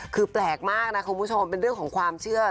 คือแปลกมากนะคุณผู้ชมเป็นเรื่องของความเชื่อ